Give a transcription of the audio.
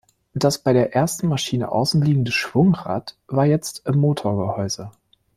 Das bei der ersten Maschine außenliegende Schwungrad war jetzt im Motorgehäuse.